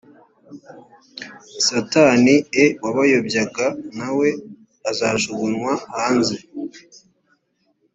satanie wabayobyaga na we azajugunywa hanze